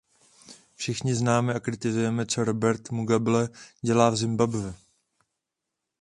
Všichni známe a kritizujeme, co Robert Mugabe dělá v Zimbabwe.